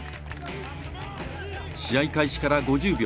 試合開始から５０秒。